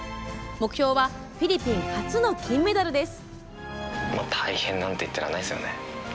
目標はフィリピン初の金メダルです。